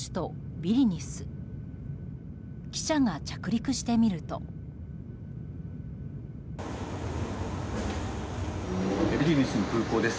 ビリニュスの空港です。